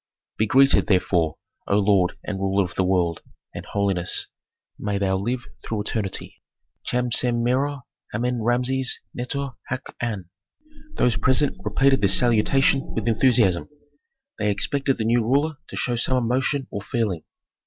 "Be greeted, therefore, O lord and ruler of the world, and, holiness, may thou live through eternity Cham Sem Merer Amen Rameses Neter haq an." Those present repeated this salutation with enthusiasm. They expected the new ruler to show some emotion or feeling.